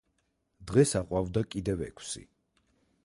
დღეს აყვავდა კიდევ ექვსი.